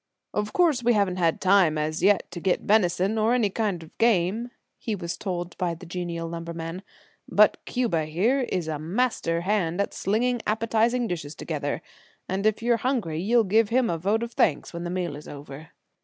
"Of course we haven't had time as yet to get venison, or any kind of game," he was told by the genial lumberman, "but Cuba, here, is a master hand at slinging appetizing dishes together, and if you're hungry you'll give him a vote of thanks when the meal is over."